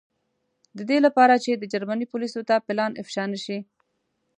د دې له پاره چې د جرمني پولیسو ته پلان افشا نه شي.